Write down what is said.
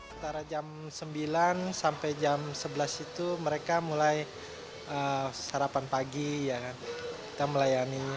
antara jam sembilan sampai jam sebelas itu mereka mulai sarapan pagi kita melayani